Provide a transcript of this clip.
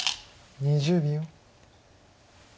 ２０秒。